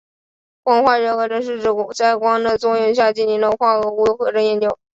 光化学合成是指在光的作用下进行的化合物合成研究。